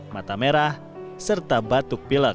mata merah serta batuk pilek